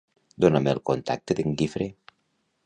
Dona'm el contacte d'en Guifré.